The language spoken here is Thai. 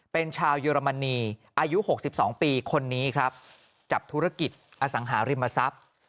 เป็นชาวเยอรมนีอายุ๖๒ปีคนนี้ครับจับธุรกิจอสังหาริมทรัพย์